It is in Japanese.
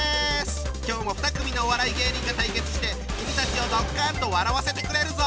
今日も２組のお笑い芸人が対決して君たちをドッカンと笑わせてくれるぞ。